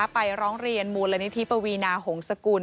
ไปร้องเรียนมูลนิธิปวีนาหงษกุล